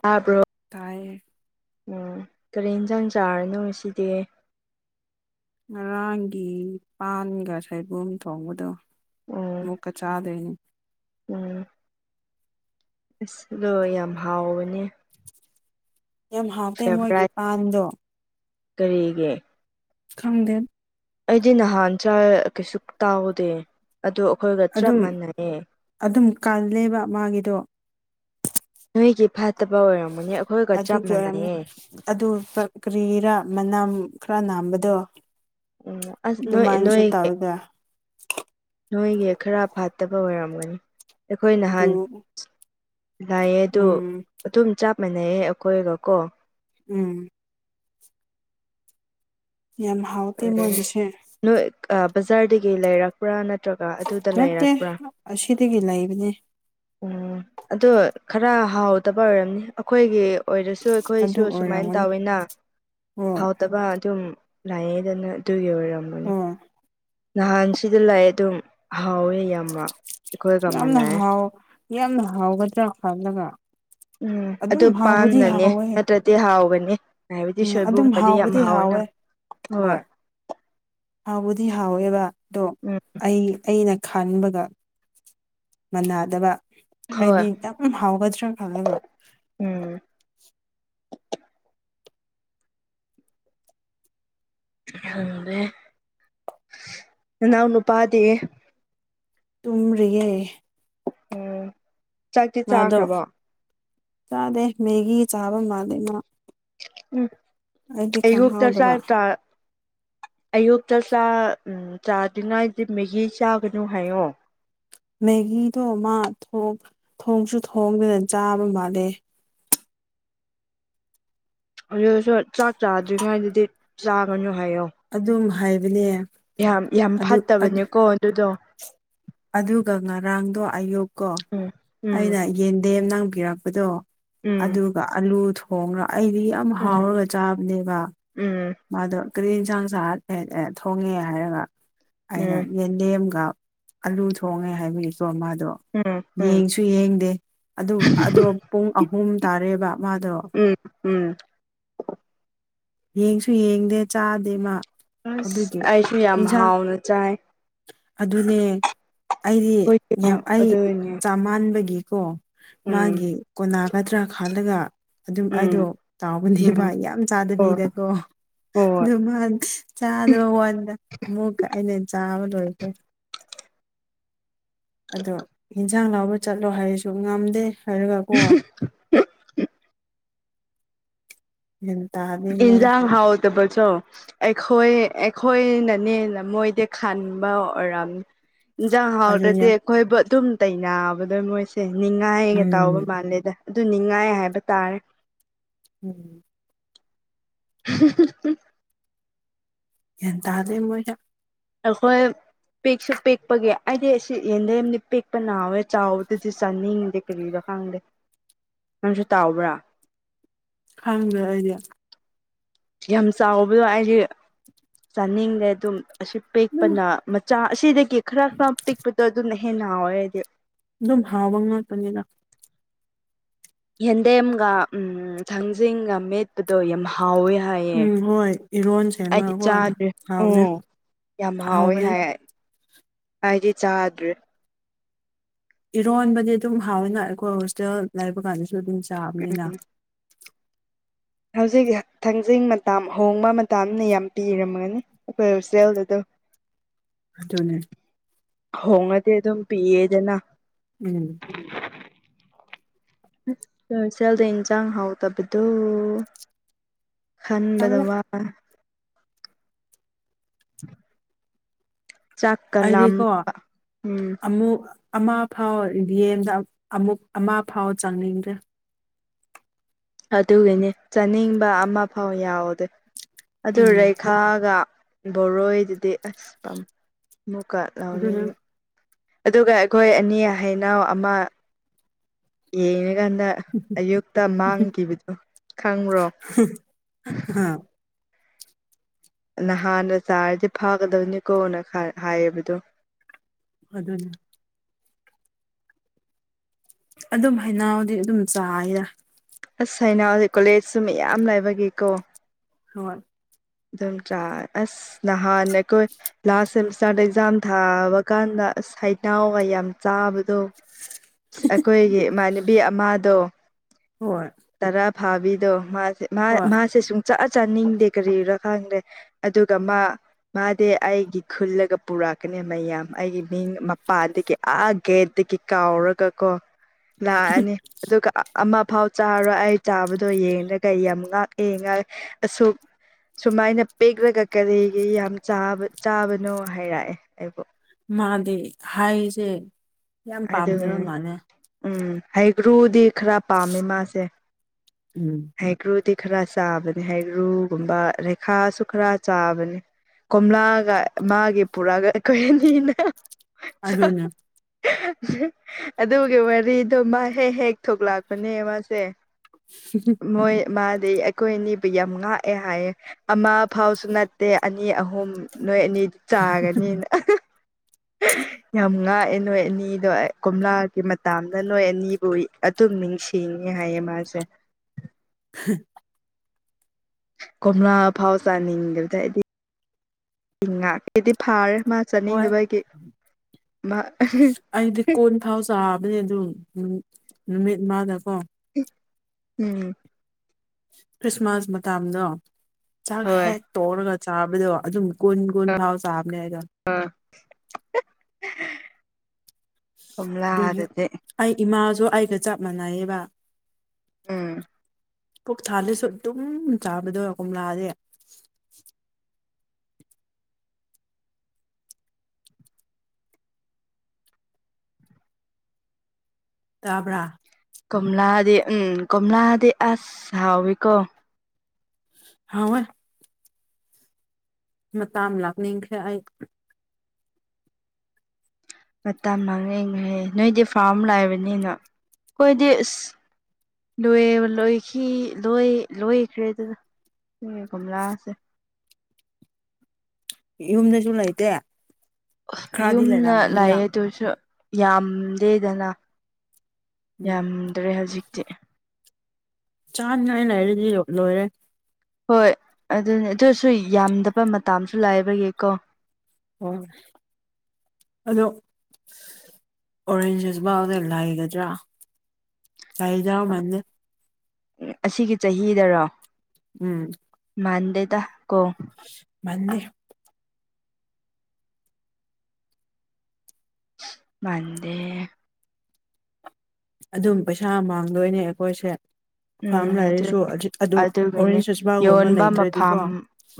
ꯇꯥꯕ꯭ꯔꯣ ꯇꯥꯏ ꯎꯝ ꯀꯔꯤ ꯌꯦꯟꯖꯥꯡ ꯆꯥꯔꯅꯣ ꯉꯁꯤꯗꯤ ꯉꯔꯥꯡꯒꯤ ꯄꯥꯟꯒ ꯁꯣꯏꯕꯨꯝ ꯊꯣꯡꯕꯗꯣ ꯎꯝ ꯃꯨꯀ ꯆꯥꯗꯣꯢꯅꯤ ꯎꯝ ꯑꯁ ꯑꯗꯣ ꯌꯥꯝ ꯍꯥꯎꯒꯅꯤ ꯌꯥꯝ ꯍꯥꯎꯇꯦ ꯃꯣꯏꯒꯤ ꯐꯦꯚꯣꯔꯥꯏꯠ ꯄꯥꯟꯗꯣ ꯀꯔꯤꯒꯤ ꯈꯪꯗꯦ ꯑꯩꯗꯤ ꯅꯍꯥꯟ ꯆꯥꯢ ꯀꯩꯁꯨ ꯇꯥꯎꯗꯦ ꯑꯗꯨ ꯑꯩꯈꯣꯏꯒ ꯆꯞ ꯑꯗꯨꯝ ꯃꯥꯟꯅꯔꯦ ꯑꯗꯨꯝ ꯀꯜꯂꯦꯕ ꯃꯥꯒꯤꯗꯣ ꯅꯣꯏꯒꯤ ꯐꯠꯇꯕ ꯑꯣꯏꯔꯝꯃꯅꯦ ꯑꯩꯈꯣꯏꯒ ꯆꯞ ꯑꯗꯨꯒꯤ ꯑꯣꯏꯔꯝꯅꯤ ꯃꯥꯟꯅꯩꯌꯦ ꯑꯗꯨ ꯀꯔꯤꯔꯥ ꯃꯅꯝ ꯈꯔ ꯅꯥꯝꯕꯗꯣ ꯑꯣ ꯑꯁ ꯅꯣꯏ ꯑꯗꯨꯃꯥꯏꯅꯁꯨ ꯅꯣꯏꯣꯏ ꯇꯧꯔꯒ ꯅꯣꯏꯒꯤ ꯈꯔ ꯐꯥꯠꯇꯕ ꯑꯣꯏꯔꯝꯒꯅꯤ ꯑꯩꯈꯣꯏ ꯑꯗꯨ ꯅꯍꯥꯟ ꯂꯥꯏꯑ ꯑꯗꯨ ꯎꯝ ꯑꯗꯨꯝ ꯆꯞ ꯃꯥꯟꯅꯩꯑ ꯑꯩꯈꯣꯏꯒ ꯀꯣ ꯎꯝ ꯌꯥꯝ ꯍꯥꯎꯇꯦ ꯃꯣꯏꯒꯤꯁꯦ ꯅꯣꯏ ꯕꯖꯥꯔꯗꯒꯤ ꯂꯩꯔꯛ ꯭ꯔꯥ ꯅꯠꯇ꯭ꯔꯒ ꯑꯗꯨꯗ ꯅꯠꯇꯦ ꯂꯩꯔꯛꯄ꯭ꯔꯥ ꯑꯁꯤꯗꯒꯤ ꯂꯩꯕꯅꯦ ꯎꯝ ꯑꯗꯣ ꯈꯔ ꯍꯥꯎꯗꯕ ꯑꯣꯏꯔꯝꯅꯤ ꯑꯩꯈꯣꯏꯒꯤ ꯑꯣꯏꯔꯁꯨ ꯑꯗꯨ ꯑꯩꯈꯣꯏꯁꯨ ꯁꯨꯃꯥꯏꯅ ꯑꯣꯏꯔꯝꯒꯅꯤ ꯇꯧꯋꯅ ꯍꯣꯏ ꯍꯥꯎꯇꯕ ꯑꯗꯨꯝ ꯂꯥꯏꯉꯩꯗꯅ ꯑꯗꯨꯒꯤ ꯑꯣꯏꯔꯝꯕꯅꯦ ꯍꯣꯏ ꯅꯍꯥꯟ ꯁꯤꯗ ꯂꯥꯛꯑꯦ ꯑꯗꯨꯝ ꯍꯥꯎꯋꯦ ꯌꯥꯝ ꯌꯥꯝꯅ ꯑꯩꯈꯣꯏꯒꯃꯅꯏ ꯍꯥꯎ ꯌꯥꯝꯅ ꯍꯥꯎꯒꯗ꯭ꯔꯥ ꯈꯜꯂꯒ ꯎꯝ ꯑꯗꯨ ꯑꯗꯨꯝ ꯍꯥꯎꯕꯗꯤ ꯄꯥꯝꯅꯅꯦ ꯍꯥꯎꯋꯦ ꯅꯠꯇ꯭ꯔꯗꯤ ꯍꯥꯎꯒꯅꯤ ꯍꯥꯏꯕꯗꯤ ꯎꯝ ꯑꯗꯨꯝ ꯁꯣꯏꯕꯨꯝꯨꯝꯕꯗꯤ ꯌꯥꯝ ꯍꯥꯎꯕꯨꯗꯤ ꯍꯥꯎꯋꯦꯅ ꯍꯥꯎꯋꯦ ꯍꯣꯏ ꯍꯥꯎꯕꯨꯗꯤ ꯍꯥꯎꯋꯦꯕ ꯑꯗꯣ ꯎꯝ ꯑꯩ ꯑꯩꯅ ꯈꯕꯒ ꯃꯅꯥꯗꯕ ꯍꯣꯏ ꯍꯥꯏꯗꯤ ꯌꯥꯝ ꯍꯥꯎꯒꯗ꯭ꯔꯥ ꯈꯪꯉꯦꯕ ꯎꯝ ꯑꯗꯦ ꯅꯎꯅ ꯄꯗꯤꯦ ꯇꯨꯝꯔꯤꯩ ꯎꯝ ꯆꯥꯛꯇꯤ ꯃꯥꯗꯣ ꯆꯥꯈ꯭ꯔꯕꯣ ꯆꯥꯗꯦ ꯃꯦꯒꯤ ꯆꯥꯕ ꯃꯥꯜꯂꯦ ꯃꯥ ꯎꯝ ꯑꯩꯗꯤ ꯑꯌꯨꯛꯇ ꯆꯥ ꯈꯪꯍꯧꯗꯕ ꯇ ꯑꯌꯨꯛꯇ ꯎꯝ ꯆꯥꯗ꯭ꯉꯗꯤ ꯃꯦꯒꯤ ꯆꯥꯒꯅꯨ ꯍꯥꯏꯌꯣ ꯃꯦꯒꯤꯗꯣ ꯃꯥ ꯊ ꯊꯣꯡꯁꯨ ꯊꯣꯡꯗꯅ ꯆꯥꯕ ꯃꯥꯜꯂꯦ ꯑꯗꯨꯁꯨ ꯆꯥꯛ ꯆꯥꯗ꯭ꯔꯤꯉꯩꯗꯗꯤ ꯆꯥꯒꯅꯨ ꯍꯥꯏꯌꯣ ꯑꯗꯨꯝ ꯍꯥꯏꯕꯅꯦ ꯌꯥꯝ ꯌꯥꯝ ꯑꯗꯨ ꯐꯠꯇꯕꯅꯦꯀꯣ ꯑꯗꯨꯗꯣ ꯑꯗꯨꯒ ꯉꯔꯥꯡꯗꯣ ꯑꯌꯨꯛꯀꯣ ꯎꯝ ꯎꯝ ꯑꯩꯅ ꯌꯦꯟꯗꯦꯝ ꯅꯪꯕꯤꯔꯛꯄꯗꯣ ꯎꯝ ꯑꯗꯨꯒ ꯑꯂꯨ ꯊꯣꯡꯉ ꯑꯩꯗꯤ ꯌꯥꯝ ꯎꯝ ꯍꯥꯎꯔꯒ ꯆꯥꯕꯅꯦꯕ ꯎꯝ ꯃꯥꯗꯣ ꯀꯔꯤ ꯌꯦꯟꯁꯥꯡꯁꯠ ꯊꯣꯡꯉꯦ ꯍꯥꯏꯔꯒ ꯑꯩꯅ ꯎꯝ ꯌꯦꯟꯗꯦꯝꯒ ꯑꯂꯨ ꯊꯣꯡꯉꯦ ꯍꯥꯏꯕꯒꯤꯁꯨꯣ ꯃꯥꯗꯣ ꯎꯝ ꯎꯝ ꯌꯦꯡꯁꯨ ꯌꯦꯡꯗꯦ ꯑꯗꯨ ꯑꯗꯣ ꯄꯨꯡ ꯑꯍꯨꯝ ꯇꯥꯔꯦꯕ ꯃꯥꯗꯣ ꯎꯝ ꯎꯝ ꯌꯦꯡꯁꯨ ꯌꯦꯡꯗꯦ ꯆꯥꯗꯦ ꯃꯥ ꯑꯁ ꯑꯗꯨꯒꯤ ꯑꯩꯁꯨ ꯌꯥꯝ ꯌꯦꯟꯁꯥꯡ ꯍꯥꯎꯅ ꯆꯥꯏ ꯑꯗꯨꯅꯦ ꯑꯩꯗꯤ ꯑꯩꯈꯣꯏꯗꯤ ꯌꯥꯝ ꯑꯩ ꯑꯗꯨꯅꯦ ꯆꯥꯃ ꯄꯥꯟꯕꯥꯟꯕꯒꯤꯀꯣ ꯎꯝ ꯃꯥꯒꯤ ꯀꯣꯅꯥꯒꯗ꯭ꯔꯥ ꯈꯜꯂꯒ ꯑꯗꯨꯝ ꯎꯝ ꯑꯩꯗꯣ ꯇꯥꯎꯕꯅꯦꯕ ꯎꯝ ꯌꯥꯝ ꯍꯣꯏ ꯆꯥꯗꯕꯤꯗꯀꯣ ꯍꯣꯏ ꯑꯗꯨ ꯃꯥ ꯆꯥꯗꯕ ꯋꯥꯟꯗ ꯑꯃꯨꯛꯀ ꯑꯩꯅ ꯆꯥꯕ ꯂꯣꯏꯕ ꯑꯗꯣ ꯌꯦꯟꯖꯥꯡ ꯂꯥꯎꯕ ꯆꯠꯂꯣ ꯍꯥꯏꯔꯁꯨ ꯉꯝꯗꯦ ꯍꯥꯏꯔꯒꯀꯣ ꯏꯇ ꯏꯟꯖꯥꯡ ꯍꯥꯎ ꯇ ꯄꯨꯁꯨꯣ ꯑꯩꯈꯣꯏ ꯑꯩꯈꯣꯏꯅꯅꯦ ꯂꯝꯃꯣꯏꯗꯤ ꯈꯟꯕ ꯑꯣꯏꯔꯝ ꯏꯟꯖꯥꯡ ꯍꯥꯎꯗ꯭ꯔꯗꯤ ꯑꯗꯨꯅꯦ ꯑꯩꯈꯣꯏꯕꯨ ꯑꯗꯨꯝ ꯇꯩꯅꯕꯗꯣ ꯃꯣꯏꯁꯦ ꯅꯤꯡꯉꯥꯏꯒ ꯇꯥꯎꯕ ꯎꯝ ꯃꯥꯜꯂꯦꯗ ꯑꯗꯨ ꯅꯤꯡꯉꯥꯏ ꯍꯥꯏꯕ ꯇꯥꯔꯦ ꯎꯝ [unintelligible] ꯌꯦ ꯇꯗꯦ ꯃꯥ ꯑꯩꯈꯣꯏ ꯄꯦꯛꯁꯨ ꯄꯦꯛꯄꯒꯤ ꯑꯩꯗꯤ ꯑꯁꯤ ꯌꯦꯟꯗꯦꯝꯗꯤ ꯄꯦꯛꯄꯅ ꯍꯥꯎꯋꯦ ꯆꯥꯎꯕꯗꯨꯗꯤ ꯆꯥꯅꯤꯡꯗꯦ ꯀꯔꯤꯔꯥ ꯈꯪꯗꯦ ꯅꯪꯁꯨ ꯇꯥꯎꯕ꯭ꯔꯥ ꯈꯪꯗ꯭ꯔꯦ ꯑꯩꯗꯤ ꯌꯥꯝ ꯆꯥꯎꯕꯗꯣ ꯑꯩꯗꯤ ꯆꯥꯅꯤꯡꯗꯦ ꯑꯗꯨꯝ ꯑꯁꯤ ꯑꯗꯨꯝ ꯄꯤꯛꯄꯅ ꯃꯆꯥ ꯑꯁꯤꯗꯒꯤ ꯈꯔ ꯈꯔ ꯄꯤꯛꯄꯗꯣ ꯑꯗꯨꯅ ꯍꯦꯟꯅ ꯍꯥꯎꯋꯦ ꯑꯩꯗꯤ ꯑꯗꯨꯝ ꯍꯥꯎꯕ ꯉꯥꯛꯇꯅꯤꯅ ꯌꯦꯟꯗꯦꯝꯒ ꯊꯥꯡꯖꯤꯡꯒ ꯃꯤꯠ ꯄꯗꯣ ꯌꯥꯝ ꯍꯥꯎꯋꯦ ꯍꯥꯏꯌꯦ ꯎꯝ ꯍꯣꯏ ꯏꯔꯣꯟ ꯑꯩꯗꯤ ꯁꯦꯝꯃꯒꯀꯣ ꯆꯥꯗ꯭ꯔꯤ ꯎ ꯍꯥꯎꯕꯅꯦ ꯌꯥꯝ ꯍꯥꯎꯋꯦ ꯍꯥꯎꯕꯅꯦ ꯍꯥꯏ ꯑꯩꯗꯤ ꯆꯥꯗ꯭ꯔꯤ ꯏꯔꯣꯟꯕꯗꯤ ꯑꯗꯨꯝ ꯍꯥꯎꯋꯦꯅ ꯑꯩꯈꯣꯏ ꯍꯣꯁꯇꯦꯜ ꯂꯩꯕ ꯀꯥꯟꯗꯁꯨ ꯑꯗꯨꯝ ꯆꯥꯕꯅꯤꯅ ꯍꯧꯖꯤꯛ ꯊꯥꯡꯖꯤꯡ ꯃꯇꯝ ꯍꯣꯡꯕ ꯃꯇꯝꯅꯦ ꯌꯥꯝ ꯄꯤꯔꯝꯒꯅꯤ ꯑꯈꯣꯏ ꯍꯣꯁꯇꯦꯜꯗꯗꯣ ꯑꯗꯨꯅꯦ ꯍꯣꯡꯉꯗꯤ ꯑꯗꯨꯝ ꯄꯤꯌꯦꯗꯅ ꯎꯝ ꯁꯦꯜꯗ ꯏꯟꯖꯥꯡ ꯍꯥꯎꯇꯕꯗꯣ ꯈꯟꯕꯗ ꯇꯜꯂꯦ ꯋꯥ ꯆꯥꯛꯀ ꯑꯩꯗꯤꯀꯣ ꯂꯥꯝꯕ ꯎꯝ ꯑꯃꯨꯛ ꯑꯃ ꯐꯥꯎ ꯔ꯭ꯌꯦꯟꯗ ꯑꯃꯨꯛ ꯑꯃ ꯐꯥꯎ ꯆꯪꯅꯤꯡꯗꯦ ꯑꯗꯨꯒꯤꯅꯤ ꯆꯥꯅꯤꯡꯕ ꯑꯃ ꯐꯥꯎ ꯌꯥꯎꯗꯦ ꯑꯗꯨ ꯎꯝ ꯔꯦꯈꯥꯒ ꯕꯣꯔꯣꯏꯗꯨꯗꯤ ꯑꯁ ꯃꯨꯀ ꯑꯗꯨꯅ ꯂꯧꯅꯤꯡ ꯑꯗꯨꯒ ꯑꯩꯈꯣꯏ ꯑꯅꯤ ꯍꯩꯅꯧ ꯑꯃ ꯌꯦꯡꯉꯀꯥꯟꯗ ꯑꯌꯨꯛꯇ ꯃꯥꯡꯈꯤꯕꯗꯨ ꯈꯪꯕ꯭ꯔꯣ [unintelligible] ꯅꯍꯥꯟꯅ ꯆꯥꯔꯗꯤ ꯐꯥꯒꯗꯕꯅꯤꯀꯣꯅ ꯍꯥꯏꯌꯦꯕꯗꯣ ꯑꯗꯨꯅꯦ ꯑꯗꯨꯝ ꯍꯩꯅꯥꯎꯗꯤ ꯑꯗꯨꯝ ꯆꯥꯏꯗ ꯑꯁ ꯍꯩꯅꯧ ꯀꯣꯂꯦꯖꯁꯨ ꯃꯌꯥꯝ ꯂꯥꯏꯕꯒꯤꯀꯣ ꯍꯣꯏ ꯑꯗꯨꯝ ꯆꯥ ꯑꯁ ꯅꯍꯥꯟ ꯑꯩꯈꯣꯏ ꯂꯥꯁ ꯁꯦꯃꯁ ꯇꯔꯗ ꯑꯦꯛꯖꯥꯝ ꯊꯥꯕ ꯀꯥꯟꯗ ꯍꯩꯅꯧꯒ ꯌꯥꯝ ꯆꯥꯕ ꯗꯣ ꯑꯩꯈꯣꯏꯒꯤ ꯏꯃꯥꯟꯅꯕꯤ ꯑꯃꯗꯣ ꯍꯣꯏ ꯇꯔꯥ ꯐꯥꯕꯤꯗꯣ ꯃꯥꯁꯦ ꯍꯣꯏ ꯃꯥꯁꯦ ꯁꯨꯡ ꯆꯥ ꯆꯥꯅꯤꯡꯗꯦ ꯀꯔꯤꯔ ꯈꯪꯗꯦ ꯑꯗꯨꯒ ꯃꯥ ꯃꯥꯗꯤ ꯑꯩꯒꯤ ꯈꯨꯜꯂꯒ ꯄꯨꯔꯛꯀꯅꯦ ꯃꯌꯥꯝ ꯑꯩꯒꯤ ꯃꯤꯡ ꯃꯄꯥꯟꯗꯒꯤ ꯑꯥ ꯒꯦꯠꯇꯒꯤ ꯀꯥꯎꯔꯒ ꯀꯣ ꯂꯥꯛꯑꯅꯤ ꯑꯗꯨꯒ ꯑꯃ ꯐꯥꯎ ꯆꯥꯔꯣꯏ ꯑꯩ ꯆꯥꯕꯗꯣ ꯌꯦꯡꯉꯒ ꯌꯥꯝ ꯉꯥꯛꯑꯦ ꯑꯁꯨꯛ ꯁꯨꯃꯥꯏꯅ ꯄꯦꯛꯂꯒ ꯀꯔꯤꯒꯤ ꯌꯥꯝ ꯆꯥꯕꯅꯣ ꯍꯥꯏꯔꯛꯑꯦ ꯑꯩꯕꯨ ꯃꯥꯗꯤ ꯍꯥꯏꯁꯦ ꯑꯗꯨꯅꯦ ꯎꯝ ꯍꯩꯒ꯭ꯔꯨꯗꯤ ꯈꯔ ꯄꯥꯝꯃꯦ ꯃꯥꯁꯦ ꯎꯝ ꯍꯩꯒ꯭ꯔꯨꯗꯤ ꯈꯔ ꯆꯥꯕꯅꯤ ꯍꯩꯒ꯭ꯔꯨꯒꯨꯝꯕ ꯔꯦꯈꯥꯁꯨ ꯈꯔ ꯆꯥꯕꯅꯤ ꯀꯣꯝꯂꯥꯒ ꯃꯥꯒꯤ ꯄꯨꯔꯛꯑꯒ ꯑꯩꯈꯣꯏ ꯑꯅꯤꯅ ꯆꯥꯕꯅꯦ ꯑꯗꯨꯅꯦ ꯑꯗꯨꯒꯤ ꯋꯥꯔꯤꯗꯣ ꯃꯥ ꯍꯦꯛ ꯍꯦꯛ ꯊꯣꯛꯂꯛꯄꯅꯦ ꯃꯥꯁꯦ [unintelligible] ꯃꯣꯏ ꯃꯥꯗꯤ ꯑꯩꯈꯣꯏ ꯑꯅꯤꯕꯨ ꯌꯥꯝ ꯉꯥꯛꯑꯦ ꯍꯥꯏꯌꯦ ꯑꯃ ꯐꯥꯎꯁꯨ ꯅꯠꯇꯦ ꯑꯅꯤ ꯑꯍꯨꯝ ꯅꯣꯏ ꯑꯅꯤꯗꯤ ꯆꯥꯒꯅꯤꯅ ꯎ ꯌꯥꯝ ꯉꯥꯛꯑꯦ ꯅꯣꯏ ꯑꯅꯤꯗꯣ ꯀꯣꯝꯂꯥꯒꯤ ꯃꯇꯗ ꯅꯣꯏ ꯑꯅꯤꯕꯨ ꯇꯨꯝ ꯅꯤꯡꯁꯤꯡꯉꯦ ꯍꯥꯏꯌꯦ ꯃꯥꯁꯦ ꯍ ꯀꯣꯝꯂꯥ ꯐꯥꯎ ꯆꯥꯅꯤꯡꯗꯗ ꯍꯥꯏꯗꯤ ꯉꯗꯤ ꯐꯥꯔꯦ ꯃꯥ ꯍꯣꯏ ꯆꯥꯅꯤꯡꯗꯕꯒꯤ ꯃꯥ ꯑꯩꯗꯤ ꯀꯣꯟ ꯐꯥꯎ ꯆꯥꯕꯅꯦ ꯑꯗꯨꯝ ꯅꯨꯃꯤꯠ ꯃꯥꯗꯀꯣ ꯎꯝ ꯈ꯭ꯔꯤꯁꯃꯥꯁ ꯃꯇꯝꯗꯣ ꯆꯥꯛ ꯍꯣꯏ ꯍꯦꯛ ꯇꯧꯔꯒ ꯆꯥꯕꯗꯣ ꯑꯗꯨꯝ ꯀꯨꯟ ꯀꯨꯟ ꯐꯥꯎ ꯆꯥꯕꯅꯦ ꯍꯥꯏꯗ ꯑꯥ ꯑꯗꯨꯒꯤ ꯑꯩ ꯏꯃꯥꯁꯨ ꯑꯩꯒ ꯆꯞ ꯃꯥꯟꯅꯩꯌꯦꯕ ꯎꯝ ꯄꯨꯣꯛ ꯊꯥꯜꯂꯁꯨ ꯑꯗꯨꯝ ꯆꯥꯕꯗꯣꯏꯔ ꯀꯣꯝꯂꯥꯥꯁꯦ ꯇꯥꯕ꯭ꯔꯥ ꯀꯝꯂꯥꯗꯤ ꯎꯝ ꯀꯣꯝꯂꯥꯗꯤ ꯑꯁ ꯍꯥꯎꯋꯤꯀꯣ ꯍ ꯃꯇꯥ ꯑꯃ ꯂꯥꯛꯅꯤꯡꯈ꯭ꯔꯦ ꯑꯩ ꯃꯇꯝ ꯃꯥꯡꯛꯈꯩ ꯅꯣꯏꯗꯤ ꯐꯥꯔꯝ ꯂꯥꯛꯕꯅꯤꯅ ꯑꯩꯈꯣꯏꯗꯤ ꯑꯁ ꯂꯣꯏꯕ ꯂꯣꯏꯈꯤ ꯂꯣꯏꯈ꯭ꯔꯦ ꯑꯗꯨꯗ ꯀꯒꯣꯝꯂꯥꯁꯦ ꯌꯨꯝꯗꯁꯨ ꯂꯩꯇꯦ ꯈꯔꯗꯤ ꯌꯨꯝꯅ ꯂꯩꯔꯝꯒꯅꯤꯗ ꯂꯥꯏꯑꯌꯦ ꯑꯗꯨꯁꯨ ꯌꯥꯝꯗꯦꯗꯅ ꯎꯝ ꯌꯥꯝꯗ꯭ꯔꯦ ꯍꯧꯖꯤꯛꯇꯤ ꯆꯥꯅꯤꯡꯉꯥꯏꯅ ꯍꯥꯏꯔꯗꯤ ꯌ ꯂꯣꯏꯔꯦ ꯍꯣꯏ ꯑꯗꯨꯅꯤ ꯑꯗꯨꯔꯁꯨ ꯌꯥꯝꯗꯕ ꯃꯇꯥꯝꯁꯨ ꯂꯥꯛꯕꯒꯤꯀꯣ ꯑꯣ ꯑꯗꯨꯩꯅꯣ ꯑꯣꯔꯦꯟꯖꯁꯨꯐꯎꯗ ꯂꯩꯒꯗ꯭ꯔꯥ ꯂꯗꯃꯜꯗꯤ ꯑꯁꯤꯒꯤ ꯆꯍꯤꯗꯔꯣ ꯎꯝ ꯃꯥꯥꯟꯗꯦꯗ ꯀꯣ ꯃꯅꯤ ꯃꯗꯦ ꯑꯗꯨꯝ ꯄꯩꯁꯥ ꯃꯥꯡꯗꯣꯏꯅꯦ ꯑꯩꯈꯣꯏꯁꯦ ꯎꯝ ꯐꯥꯔꯝ ꯑꯗꯨ ꯂꯩꯔꯁꯨ ꯑꯗꯨ ꯑꯗꯨꯒꯤꯅꯦ ꯑꯣꯔꯦꯟꯖ ꯁꯁꯕꯥꯒꯨꯝꯕ ꯌꯣꯟꯕ ꯃꯐꯝ ꯂꯩꯇ꯭ꯔꯗꯤꯀꯣ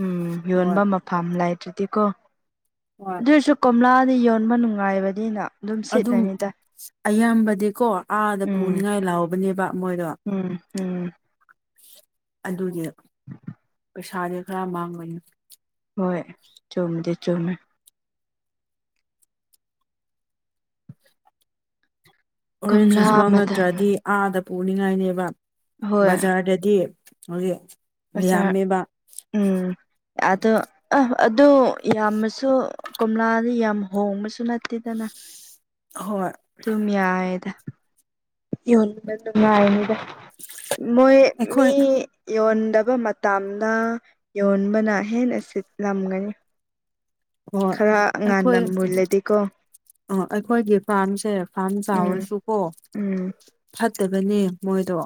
ꯎꯝ ꯍꯣꯏ ꯌꯣꯟꯕ ꯃꯐꯝꯐꯝ ꯂꯩꯗ꯭ꯔꯗꯤꯀꯣ ꯍꯣꯏ ꯁꯤꯁꯨ ꯀꯣꯝꯂꯥꯗꯤ ꯌꯣꯟꯕ ꯅꯨꯡꯉꯥꯏꯕꯅꯤꯅ ꯑꯗꯨꯝ ꯁꯤꯠꯂꯅꯤꯗꯥꯏ ꯑꯌꯥꯝꯕꯗꯤꯀꯣ ꯑꯥꯗ ꯄꯨꯅꯤꯡꯉꯥꯏ ꯂꯥꯛꯕꯅꯦꯕ ꯃꯣꯏꯗꯣ ꯎꯝ ꯎꯝ ꯑꯗꯨꯒꯤ ꯄꯩꯁꯥꯁꯦ ꯈꯔ ꯃꯥꯡꯕꯅꯤ ꯍꯣꯏ ꯆꯨꯝꯃꯗꯤ ꯆꯨꯝꯃꯦ ꯑꯣꯔꯦꯟꯖ ꯀꯣꯝꯂꯥ ꯖꯨꯁ ꯃꯝ ꯃꯇꯝ ꯅꯠꯇ꯭ꯔꯗꯤ ꯑꯥꯗ ꯄꯨꯅꯤꯡꯉꯥꯏꯅꯦꯕ ꯍꯣꯏ ꯕꯖꯥꯔꯗꯗꯤ ꯍꯧꯖꯤꯛ ꯑꯣꯆꯥꯔ ꯌꯥꯝꯃꯦꯕ ꯎꯝ ꯑꯗꯣ ꯑ ꯑꯗꯨ ꯌꯥꯝꯅꯁꯨ ꯀꯣꯝꯂꯥꯗꯤ ꯌꯥꯝ ꯍꯣꯡꯕꯁꯨ ꯅꯠꯇꯦꯗꯅ ꯍꯣꯏ ꯇꯃꯤ ꯌꯥꯏꯗ ꯌꯣꯟꯕ ꯅꯨꯡꯉꯥꯏꯔꯅꯤꯗ ꯃꯣꯏ ꯃꯤ ꯑꯩꯈꯣꯏ ꯌꯣꯟꯗꯕ ꯃꯇꯝꯗ ꯌꯣꯟꯕꯅ ꯍꯦꯟꯅ ꯁꯤꯠꯂꯝꯒꯅꯤ ꯍꯣꯏ ꯈꯔ ꯉꯥꯟꯅ ꯑꯩꯈꯣꯏ ꯃꯨꯜꯂꯗꯤꯀꯣ ꯑ ꯑꯩꯈꯣꯏꯒꯤ ꯐꯥꯔꯝꯁꯦ ꯐꯥꯔꯝ ꯎꯝ ꯆꯥꯎꯔꯁꯨꯀꯣ ꯎꯝ ꯐꯠꯇꯕꯅꯦ ꯃꯣꯏꯗꯣ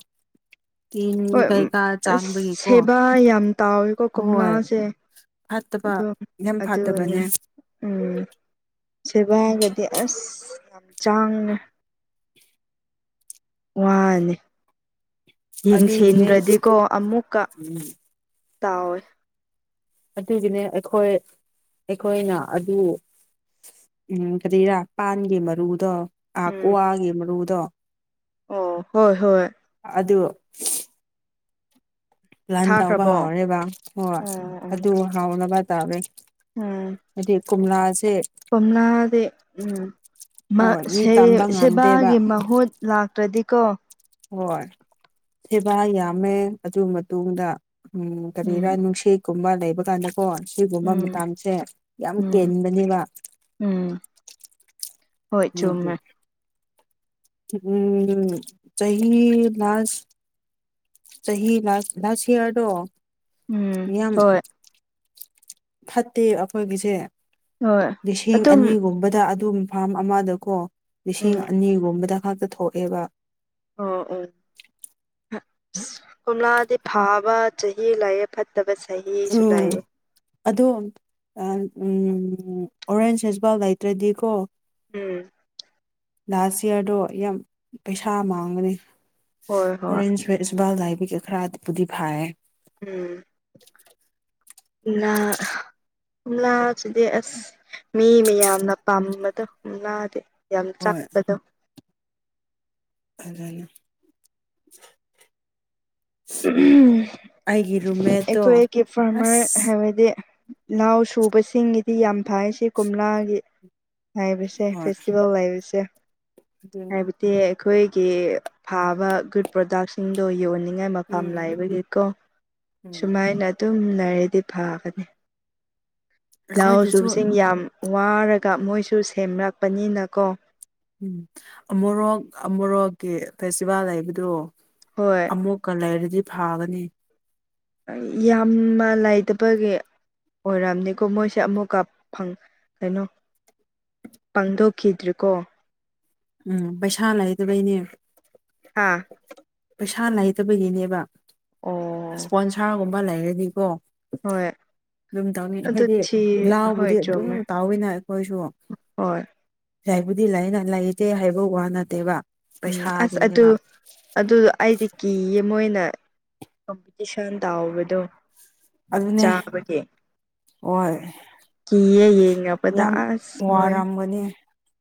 ꯇꯤꯟ ꯍꯣꯏ ꯑꯝ ꯀꯩꯀꯥ ꯆꯥꯡꯕꯒꯤꯀꯣ ꯁꯦꯕꯥ ꯌꯥꯝ ꯇꯥꯎꯋꯦ ꯀꯣ ꯍꯣꯏ ꯀꯣꯝꯂꯥꯁꯦ ꯐꯠꯇꯕ ꯑꯗꯨꯝ ꯌꯥꯝ ꯑꯗꯨ ꯑꯣꯏꯅ ꯐꯠꯇꯕꯅꯦ ꯎꯝ ꯁꯦꯕꯒꯗꯤ ꯑꯁ ꯌꯥꯝ ꯆꯥꯡꯉꯤ ꯋꯥꯅꯤ ꯑꯗꯨꯒꯤꯅꯦ ꯌꯦꯡꯁꯤꯟꯗ꯭ꯔꯗꯤꯀꯣ ꯑꯃꯨꯛꯀ ꯎꯝ ꯇꯥꯎꯋꯦ ꯑꯗꯨꯒꯤꯅꯦ ꯑꯩꯈꯣꯏ ꯑꯩꯈꯣꯏꯅ ꯑꯗꯨ ꯎꯝ ꯀꯔꯤꯔꯥ ꯄꯥꯟꯒꯤ ꯃꯔꯨꯗꯣ ꯎꯝ ꯑꯥꯛꯋꯥꯒꯤ ꯃꯔꯨꯗꯣ ꯑꯣ ꯍꯣꯏ ꯍꯣꯏ ꯑꯗꯨ ꯂꯥꯟ ꯇꯧꯕ ꯊꯥꯈ꯭ꯔꯕꯣ ꯍꯥꯎꯔꯦꯕ ꯍꯣꯏ ꯑꯣ ꯑꯣ ꯑꯗꯨ ꯍꯥꯎꯅꯕ ꯇꯧꯔꯦ ꯎꯝ ꯍꯥꯏꯗꯤ ꯀꯣꯝꯂꯥꯁꯦ ꯀꯣꯝꯂꯥꯗꯤ ꯎꯝ ꯃꯥ ꯍꯣꯏ ꯃꯤ ꯁꯦ ꯇꯝꯕ ꯉꯝꯗꯦꯕ ꯁꯦꯕꯥꯒꯤ ꯃꯍꯨꯠ ꯂꯥꯛꯇ꯭ꯔꯗꯤꯀꯣ ꯍꯣꯏ ꯁꯦꯕꯥ ꯌꯥꯝꯃꯦ ꯑꯗꯨ ꯃꯇꯨꯡꯗ ꯎꯝ ꯀꯔꯤꯔꯥ ꯅꯨꯡꯁꯤꯠ ꯀꯨꯝꯕ ꯂꯩꯕ ꯀꯥꯟꯗ ꯀꯣ ꯁꯤꯒꯨꯝꯕ ꯎꯝ ꯃꯇꯝꯁꯦ ꯌꯥꯝ ꯎꯝ ꯀꯦꯟꯕꯅꯦꯕ ꯎꯝ ꯍꯣꯏ ꯑꯗꯨꯒꯤ ꯆꯨꯝꯃꯦ ꯎꯝ ꯆꯍꯤ ꯂꯥꯁ ꯆꯍꯤ ꯂꯥꯁ ꯂꯥꯁ ꯏꯌꯔꯗꯣ ꯎꯝ ꯍꯣꯏ ꯐꯠꯇꯦ ꯑꯈꯣꯏꯒꯤꯁꯦ ꯍꯣꯏ ꯂꯤꯁꯤꯡ ꯑꯗꯨꯝ ꯑꯅꯤꯒꯨꯝꯕꯗ ꯑꯗꯨꯝ ꯐꯥꯔꯝ ꯑꯃꯗꯀꯣ ꯂꯤꯁꯤꯡ ꯎꯝ ꯑꯅꯤꯒꯨꯝꯕꯗ ꯈꯛꯇ ꯊꯣꯛꯑꯦꯕ ꯑꯣ ꯑꯣ ꯀꯣꯝꯂꯥꯗꯤ ꯐꯥꯕ ꯆꯍꯤ ꯂꯩꯌꯦ ꯐꯠ ꯇꯕ ꯆꯍꯤꯁꯨ ꯎꯝ ꯂꯩꯌꯦ ꯑꯗꯣ ꯑꯥ ꯎꯝ ꯑꯣꯔꯦꯟꯖ ꯍꯦꯁꯕꯥꯜ ꯂꯩꯇ꯭ꯔꯗꯤꯀꯣ ꯎꯝ ꯂꯥꯁ ꯏꯌꯥꯔꯗꯣ ꯌꯥꯝ ꯄꯩꯁꯥ ꯃꯥꯡꯒꯅꯤ ꯍꯣꯏ ꯍꯣꯏ ꯑꯣꯔꯦꯟꯖ ꯐꯦꯁꯕꯥꯥꯜ ꯂꯩꯕꯒꯤ ꯑ ꯈꯔꯕꯨꯗꯤ ꯐꯥꯏꯌꯦ ꯎꯝ ꯀꯣꯝꯂꯥ ꯑꯍ ꯀꯣꯝꯂꯥꯁꯤꯗꯤ ꯑꯁ ꯃꯤ ꯃꯌꯥꯝꯅ ꯄꯥꯝꯕꯗꯣ ꯀꯣꯝꯂꯥꯗꯤ ꯌꯥꯝ ꯍꯣꯏ ꯆꯥꯛꯄꯗꯣ ꯐꯖꯩꯅꯦ ꯎꯝ ꯑꯩꯈꯣꯏꯒꯤ ꯐꯥꯔꯃꯔ ꯑꯁ ꯍꯥꯏꯕꯗꯤ ꯂꯥꯎ ꯁꯨꯕꯁꯤꯡꯒꯤꯗꯤ ꯌꯥꯝ ꯐꯥꯏ ꯁꯤ ꯀꯣꯝꯂꯥꯒꯤ ꯉꯥꯏꯕꯁꯦ ꯍꯣꯏ ꯐꯦꯁꯤꯚꯦꯜ ꯂꯩꯕꯁꯦ ꯑꯗꯨꯅꯤ ꯍꯥꯏꯕ ꯇꯤ ꯑꯈꯣꯏꯒꯤ ꯐꯥꯕ ꯒꯨꯗ ꯄ꯭ꯔꯣꯗꯛꯁꯤꯡꯗꯣ ꯌꯣꯟꯅꯤꯡꯉꯥꯏ ꯃ ꯐꯝ ꯎꯝ ꯂꯥꯏꯕꯒꯤꯀꯣ ꯎꯝ ꯁꯨꯃꯥꯏꯅ ꯑꯗꯨꯝ ꯂꯩꯔꯗꯤ ꯐꯒꯅꯤ ꯂꯧ ꯑꯩꯈꯣꯏꯗꯁꯨ ꯁꯨꯕꯁꯤꯡ ꯌꯥꯝ ꯋꯥꯔꯒ ꯃꯣꯏꯁꯨ ꯁꯦꯝꯔꯛꯄꯅꯤꯅꯀꯣ ꯎꯝ ꯑꯃꯨꯔꯣꯛ ꯑꯃꯣꯔꯣꯛꯀꯤ ꯐꯦꯁꯇꯤꯚꯦꯜ ꯂꯩꯕꯗꯣ ꯍꯣꯏ ꯑꯃꯨꯛꯀ ꯂꯩꯔꯗꯤ ꯐꯥꯒꯅꯤ ꯌꯥꯝꯃ ꯂꯩꯥꯇꯕꯒꯤ ꯑꯣꯏꯔꯝꯅꯤꯀꯣ ꯃꯣꯏꯁꯦ ꯑꯃꯨꯛ ꯐꯪ ꯀꯩꯅꯣ ꯄꯥꯡꯗꯣꯛꯈꯤꯗ꯭ꯔꯤꯀꯣ ꯎꯝ ꯄꯩꯁꯥ ꯂꯩꯇꯥꯕꯩꯅꯦ ꯍꯥꯥ ꯄꯩꯁꯥ ꯂꯩꯇꯕꯒꯤꯅꯦꯕ ꯑꯣ ꯏꯁꯄꯣꯟꯁꯥꯔꯒꯨꯝꯕ ꯂꯩꯔꯗꯤꯀꯣ ꯍꯣꯏ ꯑꯗꯨꯝ ꯇꯧꯅꯤ ꯑꯗꯨ ꯍꯥꯏꯗꯤ ꯊꯤ ꯍꯣꯏ ꯂꯥꯎꯕꯨꯗꯤ ꯑꯗꯨꯝ ꯆꯨꯝꯃꯦ ꯇꯥꯎꯋꯤꯅ ꯑꯈꯣꯏꯁꯨ ꯍꯣꯏ ꯂꯥꯏꯕꯨꯗꯤ ꯂꯩꯅ ꯂꯩꯇꯦ ꯍꯥꯏꯕ ꯋꯥ ꯅꯠꯇꯦꯕ ꯄꯩꯁꯥꯒꯤꯅꯦꯕ ꯑꯗꯨꯗ ꯑꯩꯗꯤ ꯀꯤꯌꯦ ꯃꯣꯏꯅ ꯀꯝꯄꯤꯇꯤꯁꯟ ꯇꯥꯎꯕꯗꯣ ꯑꯗꯨꯅꯦ ꯆꯥꯕꯒꯤ ꯍꯣꯏ ꯀꯤꯌꯦ ꯌꯦꯉꯕꯗ ꯌꯥꯝ ꯑꯁ ꯃꯣꯏ ꯋꯥꯔꯝꯒꯅꯤ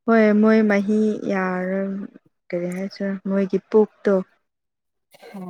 ꯍꯣꯏ ꯃꯣꯏ ꯃꯍꯤ ꯌꯥꯔꯣꯏ ꯀꯔꯤ ꯍꯥꯏꯁꯤꯔ ꯃꯣꯏꯒꯤ ꯄꯨꯛꯇꯣ ꯍꯣ